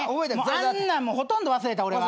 あんなんほとんど忘れた俺は。